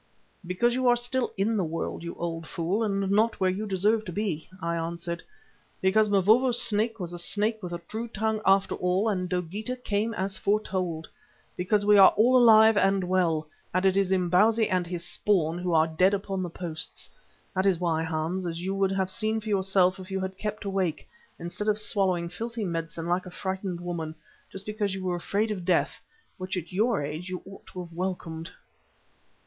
"Because you are still in the world, you old fool, and not where you deserve to be," I answered. "Because Mavovo's Snake was a snake with a true tongue after all, and Dogeetah came as it foretold. Because we are all alive and well, and it is Imbozwi with his spawn who are dead upon the posts. That is why, Hans, as you would have seen for yourself if you had kept awake, instead of swallowing filthy medicine like a frightened woman, just because you were afraid of death, which at your age you ought to have welcomed."